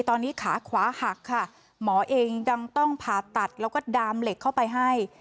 ตอนนี้ขาขวาหักค่ะหมอเองยังต้องผ่าตัดแล้วก็ดามเหล็กเข้าไปให้